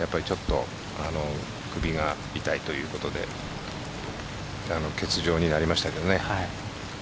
やっぱり、ちょっと首が痛いということで欠場になりましたけどね。